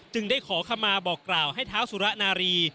ได้ขอคำมาบอกกล่าวให้เท้าสุระนารี